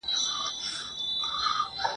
دا پوښتنه له طبیب څخه کومه ..